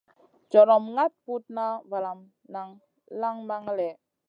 Jorom ŋaɗ putna valamu lanŋ man lèh.